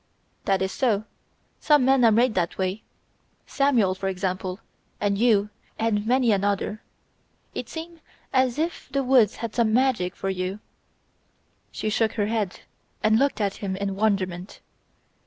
"That is so, some men are made that way. Samuel, for example, and you, and many another. It seems as if the woods had some magic for you ..." She shook her head and looked at him in wonderment.